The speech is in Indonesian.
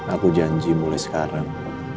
aku janji mulai sekarang